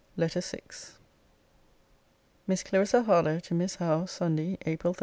LETTER VI MISS CLARISSA HARLOWE, TO MISS HOWE SUNDAY, APRIL 30.